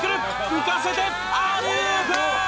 浮かせてアリウープ！